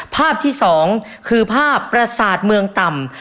ภาพที่๒คือภาพประสาทเมืองต่ำ